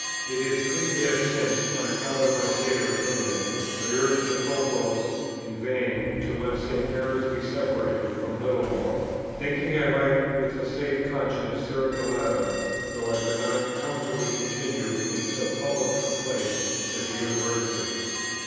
"It is three years since, on account of my state of opinion, I urged the Provost in vain to let St. Mary's be separated from Littlemore; thinking I might with a safe conscience serve the latter, though I could not comfortably continue in so public a place as a University.